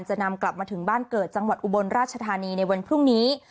จะนำกลับมาถึงบ้านเกิดจังหวัดอุบลราชธานีในวันพรุ่งนี้